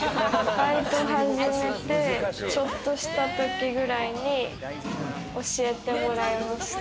バイト始めて、ちょっとしたときくらいに教えてもらいました。